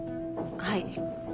はい。